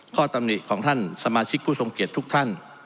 ตำหนิของท่านสมาชิกผู้ทรงเกียจทุกท่าน